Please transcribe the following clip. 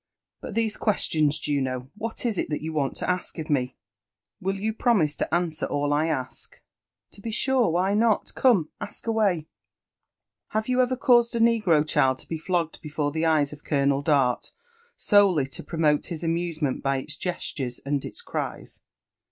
" But diese questions, Juno,^ wbat is it that you want to ask of me?" '* Will you promise to answer ^11 1 ask 7" •* To be sure — why not?— come, ask away." '' Have you ever caused a negro child to be %gg^d before, the eyes of Colonel Dart soiEiiV to promote his amusement by its gestures bnd its cries?"